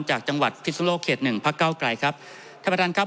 จากจังหวัดพิศนุโลกเขตหนึ่งพักเก้าไกลครับท่านประธานครับ